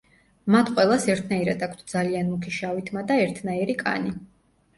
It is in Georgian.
მათ ყველას ერთნაირად აქვთ ძალიან მუქი შავი თმა და ერთნაირი კანი.